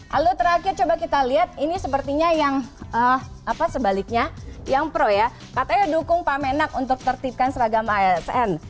lalu terakhir coba kita lihat ini sepertinya yang sebaliknya yang pro ya katanya dukung pak menak untuk tertipkan seragam asn